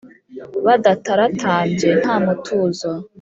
badataratambye ntamutuzo